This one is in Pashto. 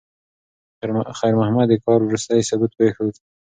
خیر محمد د کار وروستی ثبوت پرېښود.